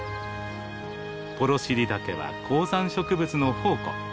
幌尻岳は高山植物の宝庫。